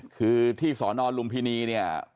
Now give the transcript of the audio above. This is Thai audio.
คือที่สนลุมพินีเนี่ย